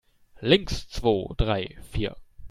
Links, zwo, drei, vier!